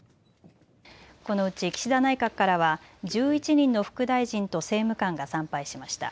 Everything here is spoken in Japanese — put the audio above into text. このうち岸田内閣からは１１人の副大臣と政務官が参拝しました。